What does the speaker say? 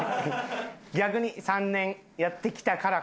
逆に３年やってきたからこその。